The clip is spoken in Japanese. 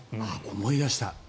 思い出した。